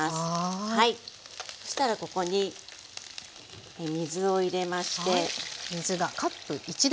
そしたらここに水を入れまして。